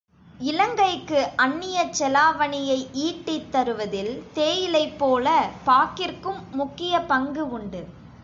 இலங்கைக்கு அன்னியச் செலாவணியை ஈட்டித் தருவதில் தேயிலைப்போல, பாக்கிற்கும் முக்கிய பங்கு உண்டு.